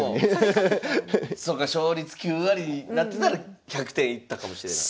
そうか勝率９割になってたら１００点いったかもしれない。